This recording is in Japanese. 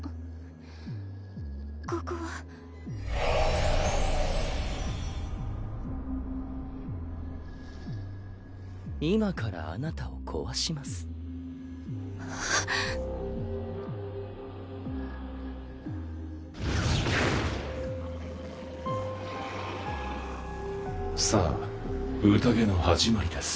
ここは今からあなたを壊しますさあ宴の始まりです